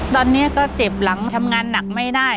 ตอนนี้ก็เจ็บหลังทำงานหนักไม่ได้